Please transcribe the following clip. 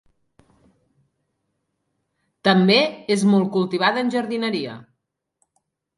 També és molt cultivada en jardineria.